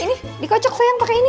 ini dikocok sayang pakai ini